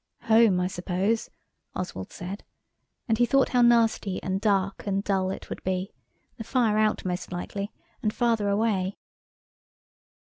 "Home, I suppose," Oswald said. And he thought how nasty and dark and dull it would be. The fire out most likely and Father away.